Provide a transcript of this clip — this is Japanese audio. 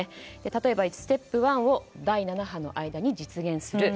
例えば、ステップ１を第７波の間に実現する。